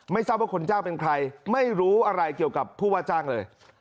ทราบว่าคนจ้างเป็นใครไม่รู้อะไรเกี่ยวกับผู้ว่าจ้างเลย